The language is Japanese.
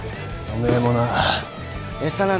おめえもな。